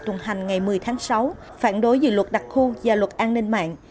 tuần hành ngày một mươi tháng sáu phản đối dự luật đặc khu và luật an ninh mạng